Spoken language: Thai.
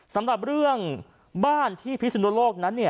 สำหรับเรื่องบ้านที่พิสุนโลกนั้นเนี่ย